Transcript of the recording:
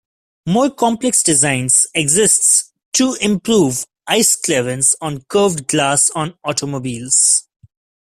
More complex designs exists to improve ice clearance on curved glass on automobiles.